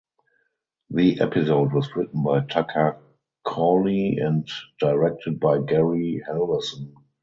The episode was written by Tucker Cawley and directed by Gary Halvorson.